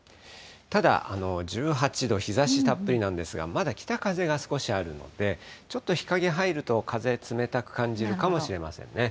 ただ、１８度、日ざしたっぷりなんですけれども、まだ北風が少しあるので、ちょっと日陰入ると、風冷たく感じるかもしれませんね。